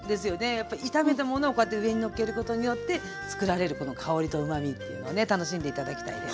やっぱ炒めた物をこうやって上にのっけることによってつくられるこの香りとうまみというのをね楽しんで頂きたいです。